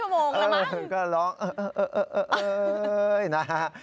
๓ชั่วโมงละมั้งคือก็ร้องเอ่อนะฮะ